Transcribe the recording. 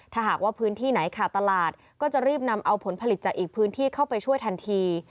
ถ้าหากว่าพื้นที่ไหนขาดตลาดก็จะรีบนำเอาผลผลิตจากอีกพื้นที่เข้าไปช่วยทันที